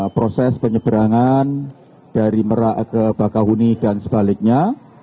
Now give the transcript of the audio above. proses penyeberangan dari merak ke bakahuni dan sebaliknya